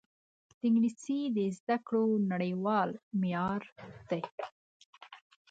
انګلیسي د زده کړو نړیوال معیار دی